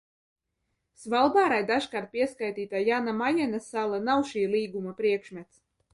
Svalbārai dažkārt pieskaitītā Jana Majena sala nav šī līguma priekšmets.